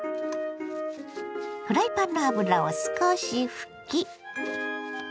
フライパンの油を少し拭き。